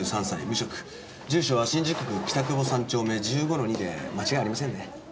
住所は新宿区北窪３丁目１５の２で間違いありませんね。